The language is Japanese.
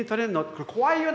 これ怖いよね